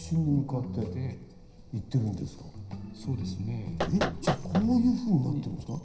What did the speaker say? えっじゃあこういうふうになってるんですか？